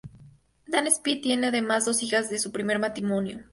Dan Spitz tiene además dos hijas de su primer matrimonio.